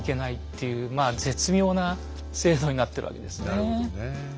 なるほどねえ。